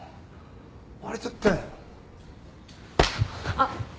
あっ。